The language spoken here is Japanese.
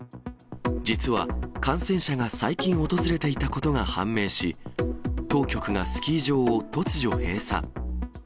実は、感染者が最近、訪れていたことが判明し、当局がスキー場を突如閉鎖。